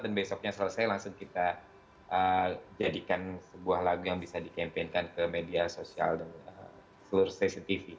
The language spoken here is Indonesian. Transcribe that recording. dan besoknya selesai langsung kita jadikan sebuah lagu yang bisa di campaign kan ke media sosial dan seluruh cctv